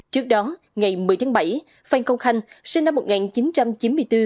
trước đó ngày một mươi tháng bảy phan công khanh sinh năm một nghìn chín trăm chín mươi bốn